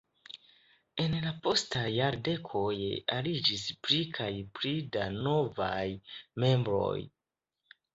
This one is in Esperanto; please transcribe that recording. En la postaj jardekoj aliĝis pli kaj pli da novaj membroj.